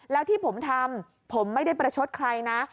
แล้วที่ผมทำผมไม่ได้ประชดใครนะ